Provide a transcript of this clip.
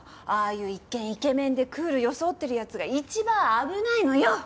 ああいう一見イケメンでクール装ってる奴が一番危ないのよ。